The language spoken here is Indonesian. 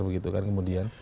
begitu kan kemudian